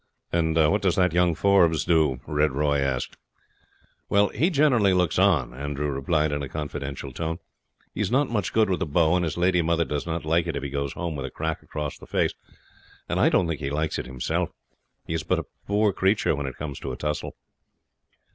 "And what does that young Forbes do?" Red Roy asked. "Well, he generally looks on," Andrew replied in a confidential tone; "he is not much good with the bow, and his lady mother does not like it if he goes home with a crack across the face, and I don't think he likes it himself; he is but a poor creature when it comes to a tussle."